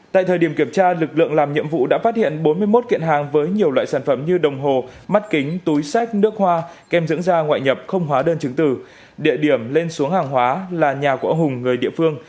tại thời điểm kiểm tra lực lượng làm nhiệm vụ đã phát hiện bốn mươi một kiện hàng với nhiều loại sản phẩm như đồng hồ mắt kính túi sách nước hoa kem dưỡng da ngoại nhập không hóa đơn chứng từ